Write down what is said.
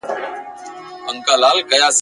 د هغوی به همېشه خاوري په سر وي ..